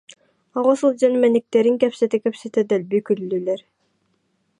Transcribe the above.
Оҕо сылдьан мэниктэрин кэпсэтэ-кэпсэтэ дэлби күллүлэр